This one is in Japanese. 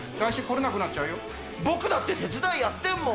僕だって手伝いやってるもん！